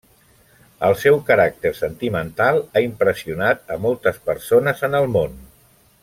El seu caràcter sentimental ha impressionat a moltes persones en el món.